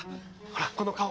ほらこの顔